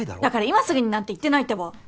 だから今すぐになんて言ってないってば。